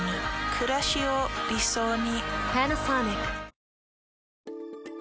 くらしを理想に。